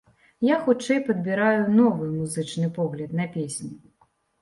Я, хутчэй, падбіраю новы музычны погляд на песні.